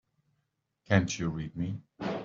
Can't you read me?